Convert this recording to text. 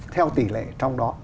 theo tỉ lệ trong đó